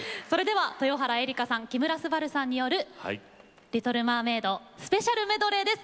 豊原江理佳さん木村昴さんによる「リトル・マーメイド」スペシャルメドレーです